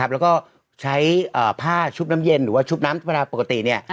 แล้วก็ใช้ผ้าชุบน้ำเย็นหรือว่าชุบน้ำเวลาปกติ